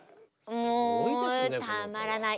もうたまらない。